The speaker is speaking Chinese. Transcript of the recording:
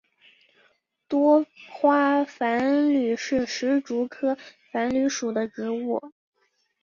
多花繁缕是石竹科繁缕属的植物。